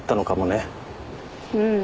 うん。